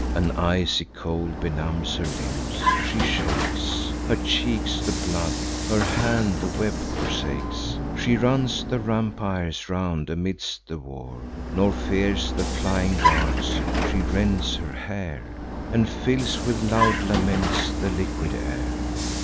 An icy cold benumbs her limbs; she shakes; Her cheeks the blood, her hand the web forsakes. She runs the rampires round amidst the war, Nor fears the flying darts; she rends her hair, And fills with loud laments the liquid air.